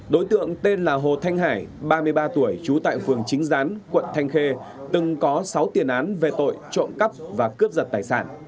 đối tượng tên là hồ thanh hải ba mươi ba tuổi trú tại phường chính gián quận thanh khê từng có sáu tiền án về tội trộm cắp và cướp giật tài sản